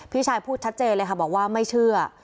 พี่ชายพูดชัดเจนเลยค่ะบอกว่าไม่เชื่อ